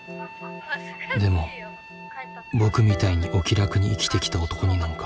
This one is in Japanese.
でも僕みたいにお気楽に生きてきた男になんか。